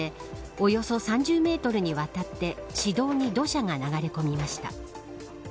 およそ３０メートルにわたって市道に土砂が流れ込みました。